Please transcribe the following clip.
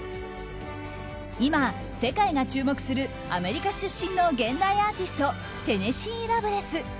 今、世界が注目するアメリカ出身の現代アーティストテネシー・ラブレス。